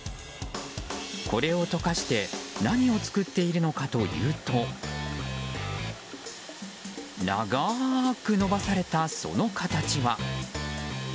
これを溶かして何を作っているのかというと長く伸ばされた、その形は。